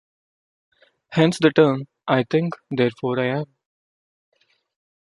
Hence the term I think, therefore I am.